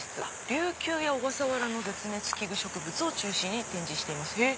「琉球や小笠原の絶滅危惧植物を中心に展示しています」。